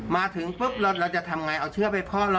มาถึงปุ๊บเราจะทำอย่างไรเอาเชื้อไปพล